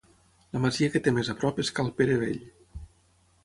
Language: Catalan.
La masia que té més a prop és Cal Pere Vell.